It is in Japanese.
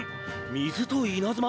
水と稲妻？